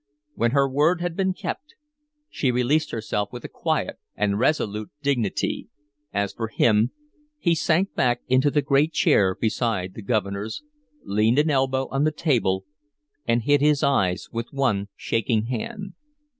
When her word had been kept, she released herself with a quiet and resolute dignity. As for him, he sank back into the great chair beside the Governor's, leaned an elbow on the table, and hid his eyes with one shaking hand.